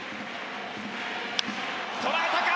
捉えたか！